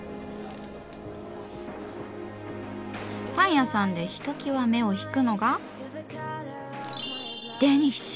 パン屋さんでひときわ目を引くのがデニッシュ！